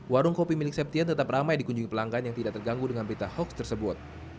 warung kopi milik septian tetap ramai dikunjungi pelanggan yang tidak terganggu dengan berita hoax tersebut